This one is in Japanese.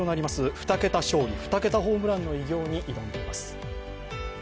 ２桁勝利、２桁ホームランの偉業に挑みます。